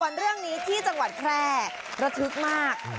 ส่วนเรื่องนี้ที่จังหวัดแพร่ระทึกมาก